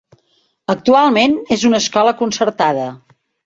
Actualment és una escola concertada.